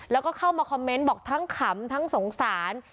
แล้วก็เข้ามาคอมเมนต์บอกทั้งขำทั้งสงสาร